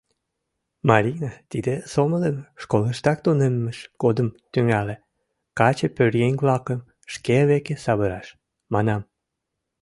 Марина тиде сомылым школыштак тунеммыж годым тӱҥале: каче-пӧръеҥ-влакым шке веке савыраш, манам.